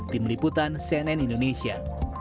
tim liputan cnn indonesia